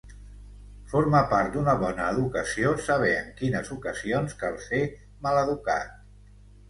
Forma part d'una bona educació saber en quines ocasions cal ser maleducat.